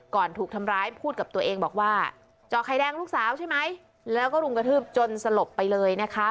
ถูกทำร้ายพูดกับตัวเองบอกว่าจอกไข่แดงลูกสาวใช่ไหมแล้วก็รุมกระทืบจนสลบไปเลยนะคะ